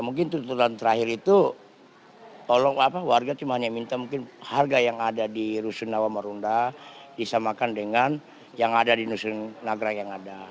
mungkin tuntutan terakhir itu tolong warga cuma hanya minta mungkin harga yang ada di rusun nawa marunda disamakan dengan yang ada di dusun nagra yang ada